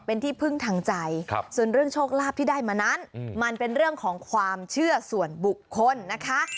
เป็นที่พึ่งทางใจส่วนเรื่องโชคลาภที่ได้มานั้นมันเป็นเรื่องของความเชื่อส่วนบุคคลนะคะ